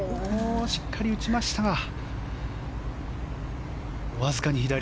しっかり打ちましたがわずかに左。